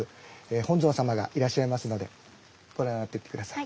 本尊様がいらっしゃいますのでご覧になっていって下さい。